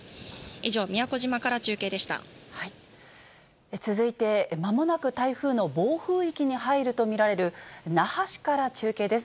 以上、続いて、まもなく台風の暴風域に入ると見られる那覇市から中継です。